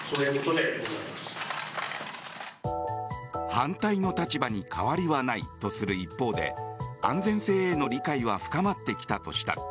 反対の立場に変わりはないとする一方で安全性への理解は深まってきたとした。